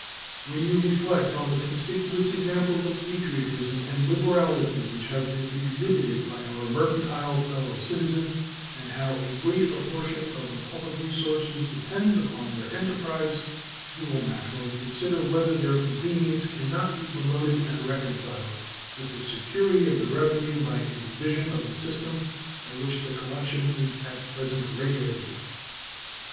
When you reflect on the conspicuous examples of patriotism and liberality which have been exhibited by our mercantile fellow citizens, and how great a proportion of the public resources depends on their enterprise, you will naturally consider whether their convenience can not be promoted and reconciled with the security of the revenue by a revision of the system by which the collection is at present regulated.